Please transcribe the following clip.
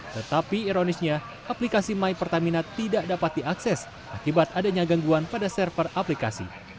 tetapi ironisnya aplikasi my pertamina tidak dapat diakses akibat adanya gangguan pada server aplikasi